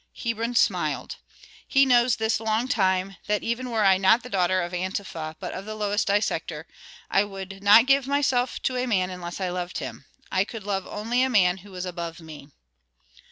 Hebron smiled. "He knows this long time that even were I not the daughter of Antefa, but of the lowest dissector, I would not give myself to a man unless I loved him. I could love only a man who is above me."